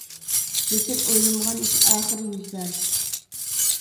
لېكىن ئويلىمىغان ئىش ئاخىرى يۈز بەردى.